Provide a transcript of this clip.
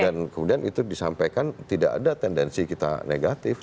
dan kemudian itu disampaikan tidak ada tendensi kita negatif